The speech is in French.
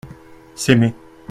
S’aimer.